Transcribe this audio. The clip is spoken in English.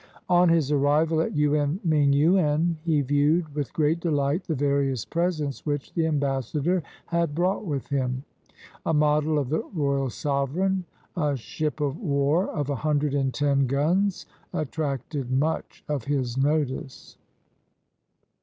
On his arrival at Yuen ming yTien, he viewed with great delight the various presents which the ambassador had brought with him. A model of the "Royal Sovereign," a ship of war of a hundred and ten guns, attracted much of his notice.